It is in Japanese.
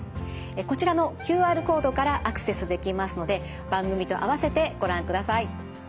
こちらのＱＲコードからアクセスできますので番組と併せてご覧ください。